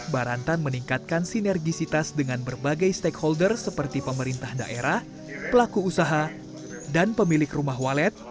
barantan meningkatkan sinergisitas dengan berbagai stakeholder seperti pemerintah daerah pelaku usaha dan pemilik rumah walet